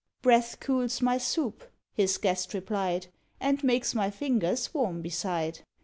"Breath cools my soup," his guest replied, "And makes my fingers warm beside."